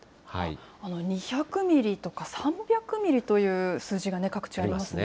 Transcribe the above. ２００ミリとか３００ミリという数字が各地ありますね。